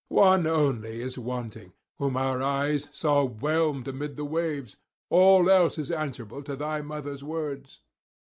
One only is wanting, whom our eyes saw whelmed amid the waves; all else is answerable to thy mother's words.'